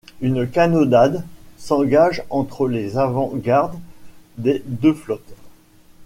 Une cannonade s'engage entre les avant-gardes des deux flottes.